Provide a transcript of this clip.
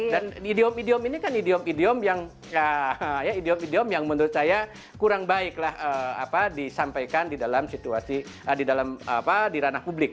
dan idiom idiom ini kan idiom idiom yang menurut saya kurang baiklah disampaikan di dalam situasi di dalam apa di ranah publik